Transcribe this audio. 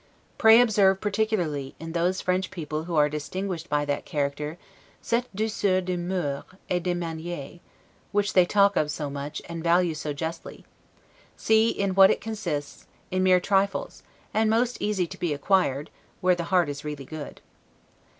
Pray observe particularly, in those French people who are distinguished by that character, 'cette douceur de moeurs et de manieres', which they talk of so much, and value so justly; see in what it consists; in mere trifles, and most easy to be acquired, where the heart is really good.